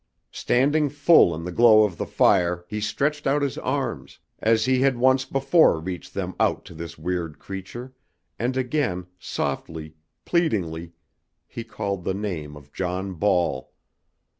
Standing full in the glow of the fire he stretched out his arms, as he had once before reached them out to this weird creature, and again, softly, pleadingly, he called the name of John Ball!